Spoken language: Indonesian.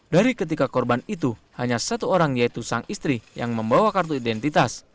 dari ketiga korban itu hanya satu orang yaitu sang istri yang membawa kartu identitas